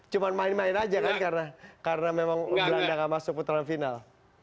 cuma main main aja kan karena memang belanda nggak masuk putaran final